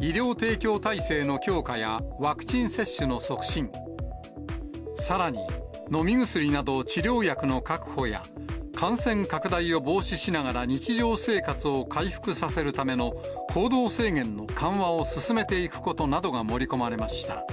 医療提供体制の強化やワクチン接種の促進、さらに、飲み薬など治療薬の確保や、感染拡大を防止しながら日常生活を回復させるための行動制限の緩和を進めていくことなどが盛り込まれました。